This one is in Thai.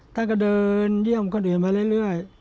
ท่านก็เดินเยี่ยมคนอื่นมาเรื่อย